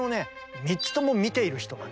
３つとも見ている人なんです。